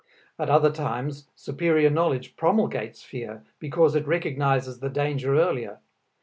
At other times superior knowledge promulgates fear, because it recognizes the danger earlier.